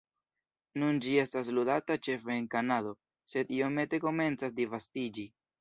Nun ĝi estas ludata ĉefe en Kanado, sed iomete komencas disvastiĝi.